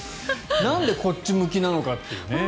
なんでこっち向きなのかというね。